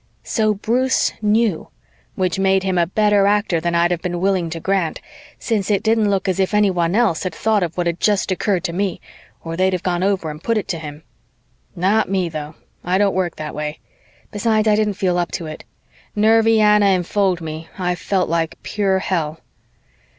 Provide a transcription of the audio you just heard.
So Bruce knew, which made him a better actor than I'd have been willing to grant, since it didn't look as if anyone else had thought of what had just occurred to me, or they'd have gone over and put it to him. Not me, though I don't work that way. Besides, I didn't feel up to it Nervy Anna enfold me, I felt like pure hell.